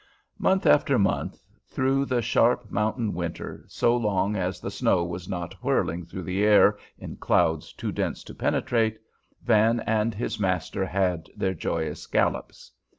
Month after month through the sharp mountain winter, so long as the snow was not whirling through the air in clouds too dense to penetrate, Van and his master had their joyous gallops.